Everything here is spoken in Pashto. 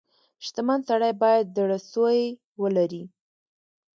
• شتمن سړی باید زړه سوی ولري.